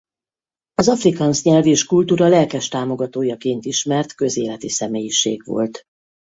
Az afrikaans nyelv és kultúra lelkes támogatójaként ismert közéleti személyiség volt.